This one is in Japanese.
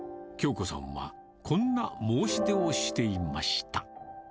京子さんはこんな申し出をしていました。